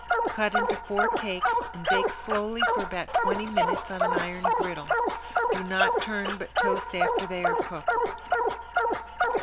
Cut into four cakes and bake slowly for about twenty minutes on an iron griddle. Do not turn but toast after they are cooked.